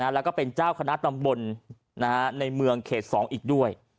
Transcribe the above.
แล้วก็เป็นเจ้าคณะตำบลในเมืองเขต๒อีกด้วย